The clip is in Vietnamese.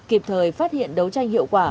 kịp thời phát hiện đấu tranh hiệu quả